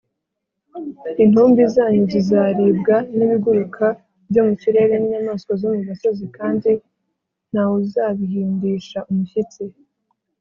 Intumbi zanyu zizaribwa n’ibiguruka byo mu kirere n’inyamaswa zo mu gasozi, kandi nta wuzabihindisha umushyitsi. “